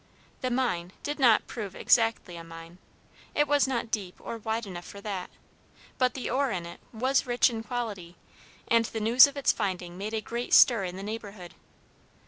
The "mine" did not prove exactly a mine, it was not deep or wide enough for that; but the ore in it was rich in quality, and the news of its finding made a great stir in the neighborhood.